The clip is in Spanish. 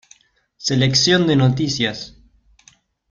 Selección de noticias